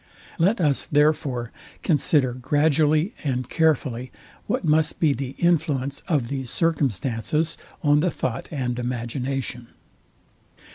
Let us, therefore, consider gradually and carefully what must be the influence of these circumstances on the thought and imagination.